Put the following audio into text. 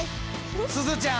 すずちゃん